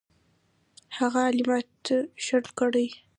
هغه عملیات شنډ کړي.